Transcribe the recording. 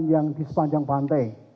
yang di sepanjang pantai